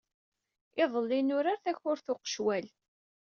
Iḍelli nurar takurt n uqecwal.